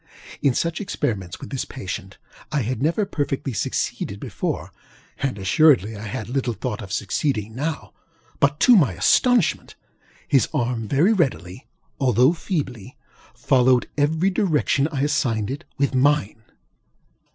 In such experiments with this patient, I had never perfectly succeeded before, and assuredly I had little thought of succeeding now; but to my astonishment, his arm very readily, although feebly, followed every direction I assigned it with mine.